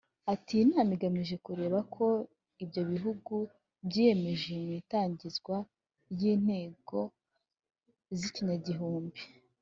Ati “Iyi nama igamije kureba ko ibyo ibi bihugu byiyemeje mu itangizwa ry’intego z’ikinyagihumbi